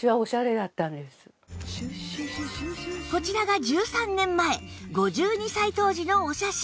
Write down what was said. こちらが１３年前５２歳当時のお写真